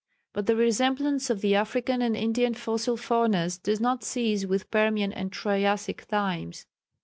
But the resemblance of the African and Indian fossil faunas does not cease with Permian and Triassic times.